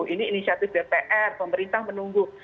ini inisiatif dpr pemerintah menunggu